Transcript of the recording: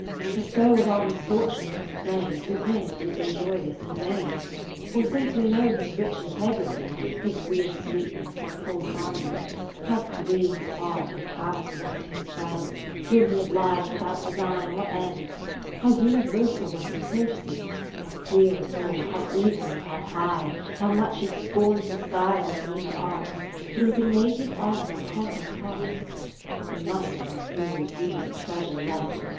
But though of our misfortune we complain, To him it is injurious and vain. For since we know his rich integ rity, His real sweetness, and full har mony ; How free his heart and house were to his friends, Whom he oblig'd without design or ends ; lo How universal was his courtesy, How clear a soul, how even, and how high; How much he scorn'd disguise or meaner arts, But with a native honour conquer'd hearts ; We must conclude he was a treasure lent.